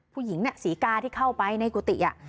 ผู้หญิงน่ะศรีกาที่เข้าไปในกุฏิ